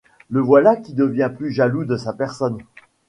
Le voilà qui devient plus jaloux de sa personne.